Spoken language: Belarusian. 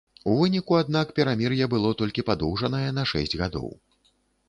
У выніку, аднак, перамір'е было толькі падоўжанае на шэсць гадоў.